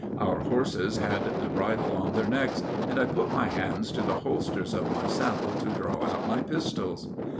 "Our horses had the bridle on their necks, and I put my hands to the holsters of my saddle to draw out my pistols."